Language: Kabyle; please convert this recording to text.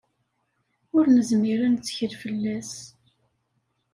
Ur nezmir ad nettkel fell-as.